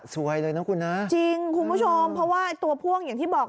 สวยเลยนะคุณนะจริงคุณผู้ชมเพราะว่าตัวพ่วงอย่างที่บอก